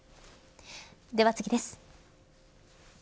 では次です。